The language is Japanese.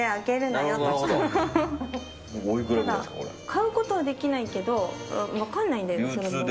買うことはできないけど分かんないんだよな。